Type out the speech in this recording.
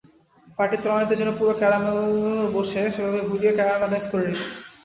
বাটির তলানীতে যেন পুরো ক্যারামেল বসে, সেভাবে ঘুরিয়ে ক্যারামেলাইজ করে নিন।